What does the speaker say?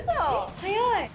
早い！